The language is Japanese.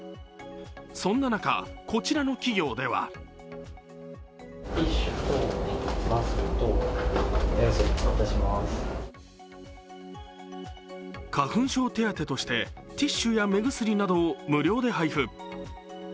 そんな中、こちらの企業では花粉症手当としてティッシュや目薬などを無料で配布。